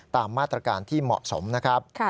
ตามมาตรการที่เหมาะสมนะครับ